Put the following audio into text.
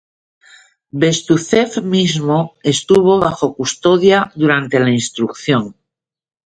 Bestúzhev mismo estuvo bajo custodia durante la instrucción.